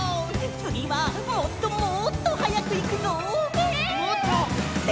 つぎはもっともっとはやくいくぞ！え！？